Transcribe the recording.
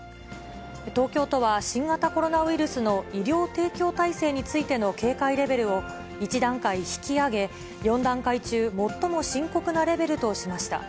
東京都は、新型コロナウイルスの医療提供体制についての警戒レベルを１段階引き上げ、４段階中、最も深刻なレベルとしました。